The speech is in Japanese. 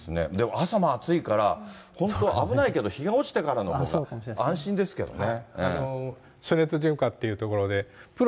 朝も暑いから、本当、危ないけど、日が落ちてからのほうが安心ですけどね。